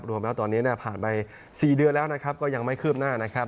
รู้หรือเปล่าตอนนี้เนี่ยผ่านไปสี่เดือนแล้วนะครับก็ยังไม่คืบหน้านะครับ